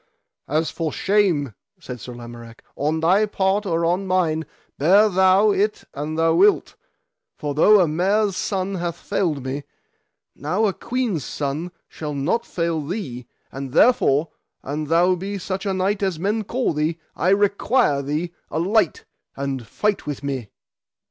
As for the shame, said Sir Lamorak, on thy part or on mine, bear thou it an thou wilt, for though a mare's son hath failed me, now a queen's son shall not fail thee; and therefore, an thou be such a knight as men call thee, I require thee, alight, and fight with me.